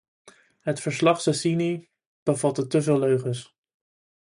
Het verslagCeccini bevatte te veel leugens.